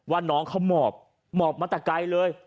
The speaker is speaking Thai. ว่าน้องเขาหมอบหมอบมาแต่ไกลเลย